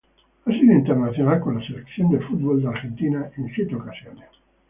Ha sido internacional con la Selección de fútbol de Argentina en siete ocasiones.